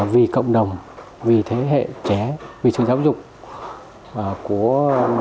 vì cộng đồng vì thế hệ trẻ vì trường giáo